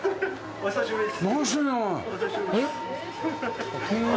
お久しぶりです。